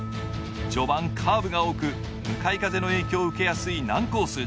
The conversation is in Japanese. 序盤はカーブが多く向かい風の影響を受けやすい難コース。